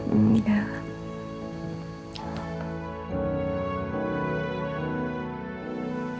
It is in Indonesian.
aku baru hamil sekarang